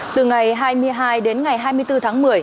từ ngày hai mươi hai đến ngày hai mươi bốn tháng một mươi